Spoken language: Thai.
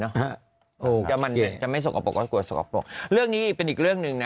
แล้วมันจะไม่สกปรกก็กลัวสกปรกเรื่องนี้เป็นอีกเรื่องหนึ่งนะ